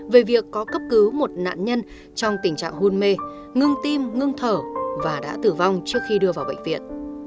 về việc có cấp cứu một nạn nhân trong tình trạng hôn mê ngưng tim ngưng thở và đã tử vong trước khi đưa vào bệnh viện